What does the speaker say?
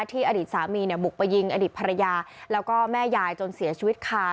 อดีตสามีเนี่ยบุกไปยิงอดีตภรรยาแล้วก็แม่ยายจนเสียชีวิตคา